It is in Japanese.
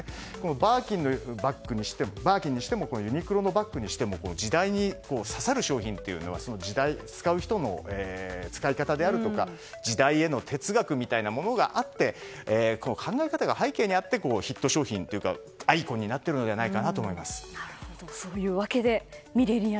バーキンのバッグにしてもユニクロのバッグにしても時代に刺さる商品というのは使う人の使い方であるとか時代への哲学みたいなものがあってその考え方が背景にあってヒット商品やアイコンに「『クイックル』で良くない？」